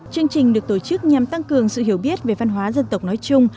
chương trình được tổ chức nhằm tăng cường sự hiểu biết về văn hóa dân tộc nói chung